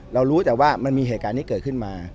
รู้แต่ว่ามันมีเหตุการณ์นี้เกิดขึ้นมา